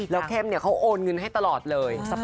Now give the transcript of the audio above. แล้วเข้มเขาโอนเงินให้ตลอดเลย